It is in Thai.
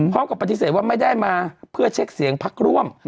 พร้อมกับปฏิเสธว่าไม่ได้มาเพื่อเช็คเสียงพักร่วม